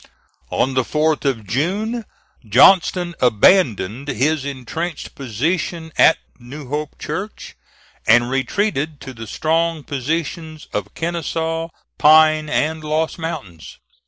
On the 4th of June, Johnston abandoned his intrenched position at New Hope Church, and retreated to the strong positions of Kenesaw, Pine, and Lost mountains.